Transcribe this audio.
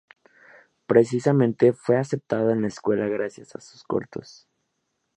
Precisamente, fue aceptado en la escuela gracias a sus cortos.